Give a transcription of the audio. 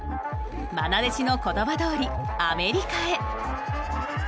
まな弟子の言葉どおりアメリカへ。